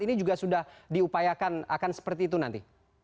ini juga sudah diupayakan akan seperti itu nanti